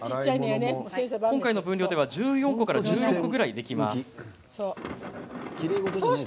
今回の分量では１４個から１６個ぐらいできます。